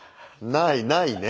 ないないね。